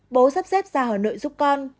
bố sắp dép ra hà nội giúp con